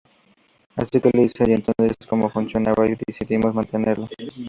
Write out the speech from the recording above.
Así que lo hice y entonces es como que funcionaba y decidimos mantenerlo.